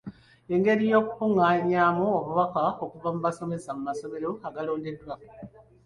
Engeri y’okukungaanyaamu obubaka okuva mu basomesa mu masomero agaalondebwa.